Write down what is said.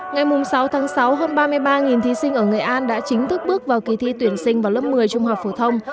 ngày sáu tháng sáu hơn ba mươi ba thí sinh ở nghệ an đã chính thức bước vào kỳ thi tuyển sinh vào lớp một mươi trung học phổ thông